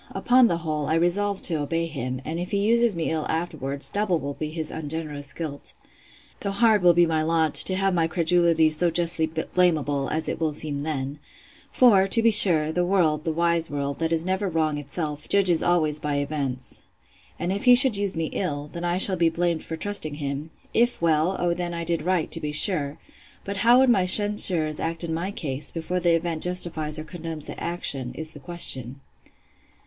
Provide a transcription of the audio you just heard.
Upon the whole, I resolved to obey him; and if he uses me ill afterwards, double will be his ungenerous guilt!—Though hard will be my lot, to have my credulity so justly blamable, as it will then seem. For, to be sure, the world, the wise world, that never is wrong itself, judges always by events. And if he should use me ill, then I shall be blamed for trusting him: If well, O then I did right, to be sure!—But how would my censurers act in my case, before the event justifies or condemns the action, is the question?